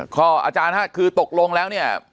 ก็อาจารย์ค่ะคือตกลงแล้วเนี่ย